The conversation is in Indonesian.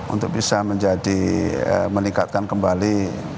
untuk bisa menjadi meningkatkan kembali